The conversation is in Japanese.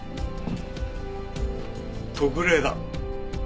特例だ。